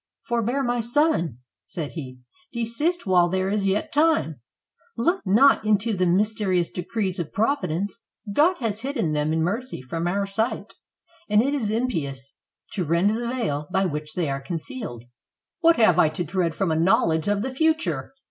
"Forbear, my son," said he; "desist while there is yet time. Look not into the mys terious decrees of Providence. God has hidden them in mercy from our sight, and it is impious to rend the veil by which they are concealed." "WTiat have I to dread from a knowledge of the fu ture?"